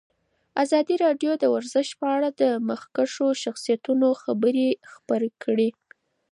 ازادي راډیو د ورزش په اړه د مخکښو شخصیتونو خبرې خپرې کړي.